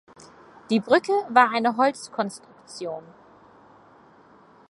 Die Brücke war eine Holzkonstruktion.